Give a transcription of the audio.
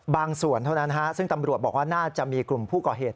ส่วนเท่านั้นซึ่งตำรวจบอกว่าน่าจะมีกลุ่มผู้ก่อเหตุ